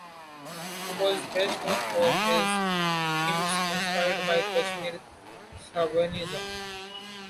He was best known for his themes inspired by Kashmir Shaivism.